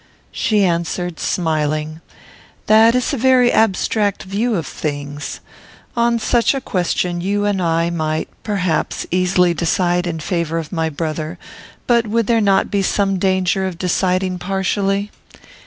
She answered, smiling, "That is a very abstract view of things. On such a question you and I might, perhaps, easily decide in favour of my brother; but would there not be some danger of deciding partially?